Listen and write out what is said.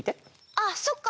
ああそっか。